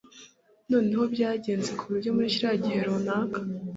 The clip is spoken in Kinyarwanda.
noneho, byagenze kuburyo muri kiriya gihe runaka